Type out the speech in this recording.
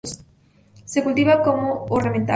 Se cultiva como ornamental.